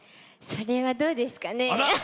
それはどうですかね？